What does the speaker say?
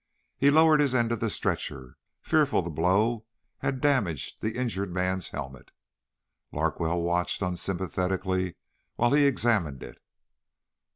He lowered his end of the stretcher, fearful the plow had damaged the injured man's helmet. Larkwell watched unsympathetically while he examined it.